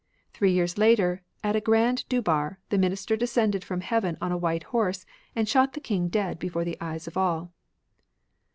Three years later, at a grand durbar, the Minister descended from heaven on a white horse, and shot the King dead before the eyes of all.